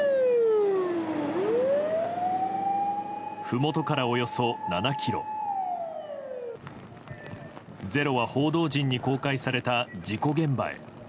ふもとから、およそ７ｋｍ「ｚｅｒｏ」は報道陣に公開された事故現場へ。